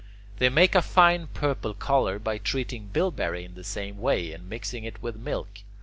They make a fine purple colour by treating bilberry in the same way and mixing it with milk.